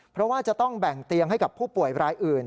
เพราะว่าจะต้องแบ่งเตียงให้กับผู้ป่วยรายอื่น